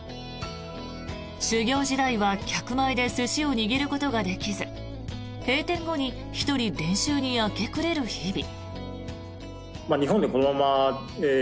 修業時代は客前で寿司を握ることができず閉店後に１人練習に明け暮れる日々。